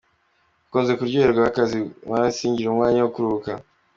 Nakunze kuryoherwa n’akazi nkora singire umwanya wo kuruhuka.